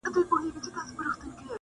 عرب وویل له مخه مي سه لیري؛